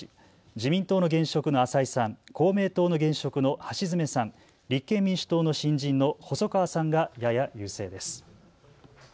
自民党の現職の浅井さん、公明党の現職の橋詰さん、立憲民主党の新人の細川さんがやや優勢です。